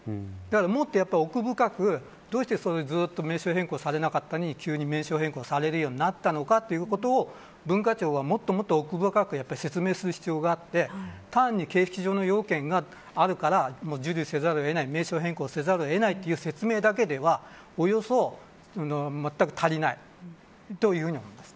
もっと奥深くどうしてそれをずっと名称変更されなかった急に名称変更されるようになったのかということを文化庁は、もっと奥深く説明する必要があって単に、形式上の要件があるから受理せざるを得ない名称変更せざるを得ないという説明だけではまったく足りないと思います。